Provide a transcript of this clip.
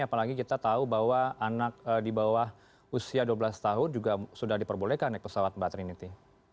karena lagi kita tahu bahwa anak di bawah usia dua belas tahun juga sudah diperbolehkan naik pesawat mbak trinti